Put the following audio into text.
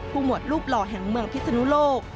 หมวดรูปหล่อแห่งเมืองพิศนุโลก